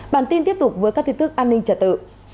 bản tin tiếp tục với các tin tức an ninh trả tự